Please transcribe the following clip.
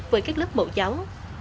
với các lớp mậu giáo